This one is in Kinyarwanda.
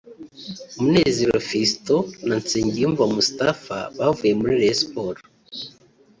Munezero Filston na Nsengiyumva Mustapfa bavuye muri Rayon Sports